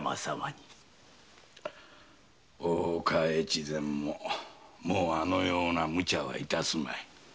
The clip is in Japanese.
大岡越前ももうあのようなムチャは致すまい。